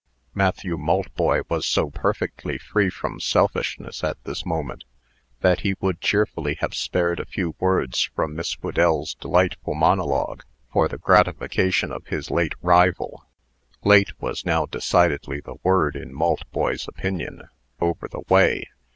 Matthew Maltboy was so perfectly free from selfishness at this moment, that he would cheerfully have spared a few words from Miss Whedell's delightful monologue for the gratification of his late rival ("late" was now decidedly the word, in Maltboy's opinion) over the way.